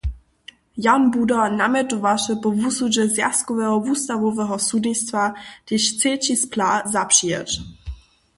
Jan Budar namjetowaše, po wusudźe Zwjazkoweho wustawoweho sudnistwa tež třeći splah zapřijeć.